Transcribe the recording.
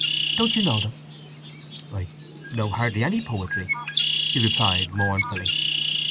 "Don't you know them?" "I know hardly any poetry," he replied mournfully.